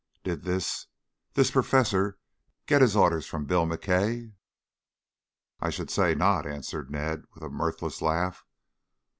"Did this this perfesser get his orders from Bill McKay?" "I should say not," answered Ned with a mirthless laugh.